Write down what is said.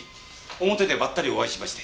表でばったりお会いしまして。